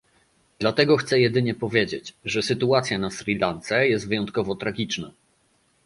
Dlatego chcę jedynie powiedzieć, że sytuacja na Sri Lance jest wyjątkowo tragiczna